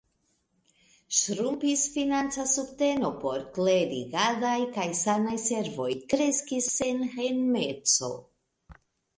Ŝrumpis financa subteno por klerigadaj kaj sanaj servoj; kreskis senhejmeco.